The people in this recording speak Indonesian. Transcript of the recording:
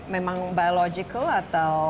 memang biological atau